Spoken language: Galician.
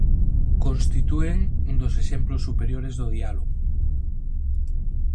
Constitúen un dos exemplos superiores do diálogo.